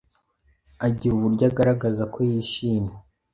agira uburyo agaragaza ko yishimye